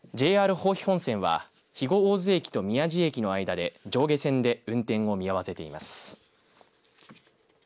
豊肥本線は肥後大津駅と宮地駅の間で上下線で運転を見合わせています。